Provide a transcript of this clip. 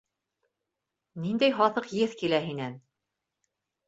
Ниндәй һаҫыҡ еҫ килә һинән?